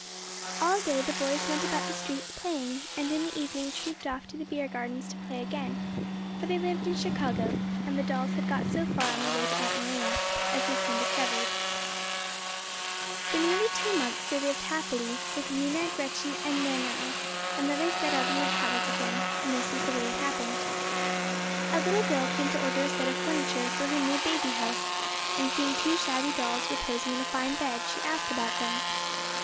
All day the boys went about the streets playing, and in the evening trooped off to the beer gardens to play again, for they lived in Chicago, and the dolls had got so far on their way to Aunt Maria, as they soon discovered. For nearly two months they lived happily with Minna, Gretchen and Nanerl, then they set out on their travels again, and this was the way it happened. A little girl came to order a set of furniture for her new baby house, and seeing two shabby dolls reposing in a fine bed she asked about them.